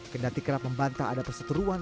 kendati kerap membantah ada perseteruan